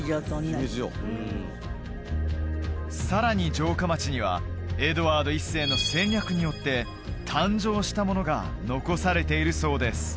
さらに城下町にはエドワード１世の戦略によって誕生したものが残されているそうです